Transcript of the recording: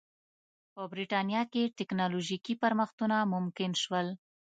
په برېټانیا کې ټکنالوژیکي پرمختګونه ممکن شول.